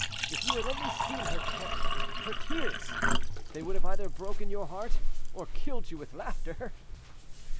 If you had only seen her terror, her tears! They would have either broken your heart or killed you with laughter."